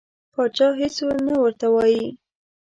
پاچا هیڅ نه ورته وایي.